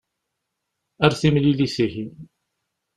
Ar timlilit ihi.